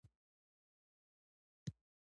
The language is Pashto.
امکان شته چې هندوانو لومړی دا اختراع کړې وه.